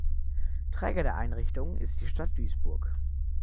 Träger der Einrichtung ist die Stadt Duisburg.